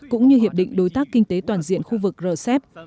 cũng như hiệp định đối tác kinh tế toàn diện khu vực rcep